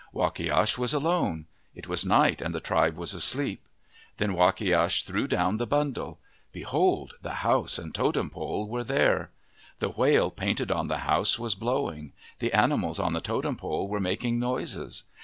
Wakiash was alone. It was night and the tribe was asleep. Then Wakiash threw down the bundle. Behold! the house 62 OF THE PACIFIC NORTHWEST and totem pole were there. The whale painted on the house was blowing. The animals on the totem pole were making noises.